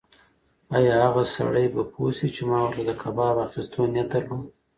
ایا هغه سړی به پوه شي چې ما ورته د کباب اخیستو نیت درلود؟